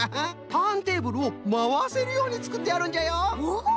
ターンテーブルをまわせるようにつくってあるんじゃよ！